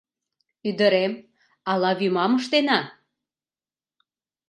— Ӱдырем, ала вӱмам ыштена?